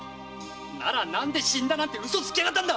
ならなんで「死んだ」なんて嘘つきやがったんだ